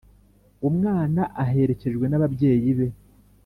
Umwana aherekejwe n’ababyeyi be